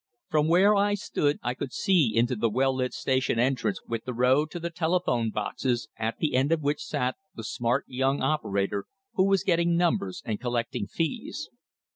From where I stood I could see into the well lit station entrance with the row to the telephone boxes, at the end of which sat the smart young operator, who was getting numbers and collecting fees.